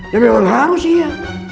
ya memang harus iya